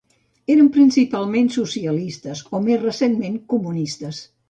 Eren principalment socialistes, o més recentment comunistes.